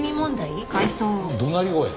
怒鳴り声？